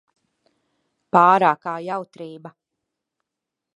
Pārākā jautrība.